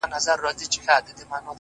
ته یې په مسجد او درمسال کي کړې بدل؛